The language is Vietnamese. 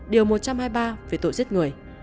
điều một trăm hai mươi ba về tội giết người